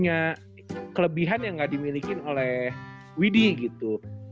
ya kembali lagi kalo misalnya gue pribadi sih gue juga gitu ya